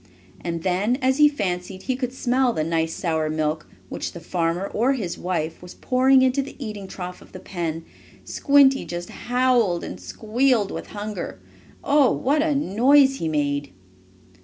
And then, as he fancied he could smell the nice sour milk, which the farmer or his wife was pouring into the eating trough of the pen, Squinty just howled and squealed with hunger. Oh, what a noise he made!